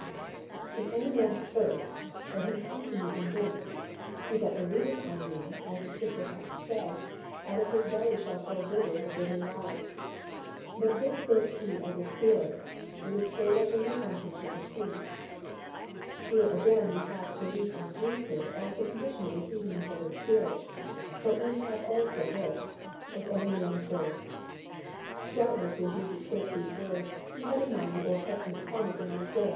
37 39, "If any man thirst, let him come unto Me and drink. He that believeth on Me, as the Scripture hath said, out of his belly shall flow rivers of living water. But this spake He of the Spirit, which they that believe on Him should receive." Here again we have belief on Jesus as the condition of receiving the Holy Spirit but we have also this, "If any man thirst." Doubtless when Jesus spake these words He had in mind the Old Testament promise in Isa.